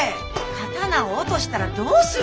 刀を落としたらどうする。